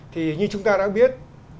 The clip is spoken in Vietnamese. thì như chúng ta đã biết